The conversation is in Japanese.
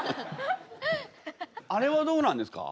あれはどうなんですか？